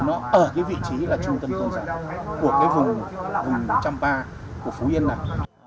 ở cái vị trí là trung tâm tôn giáo của cái vùng châm ba của phú yên này